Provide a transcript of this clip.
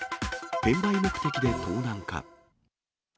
転売目的で盗難か。